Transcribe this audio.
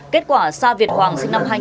kết quả sa việt hoàng sinh năm hai nghìn